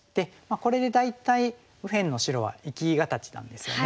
これで大体右辺の白は生き形なんですよね。